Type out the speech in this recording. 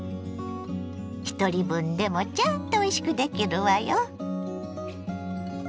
ひとり分でもちゃんとおいしくできるわよ。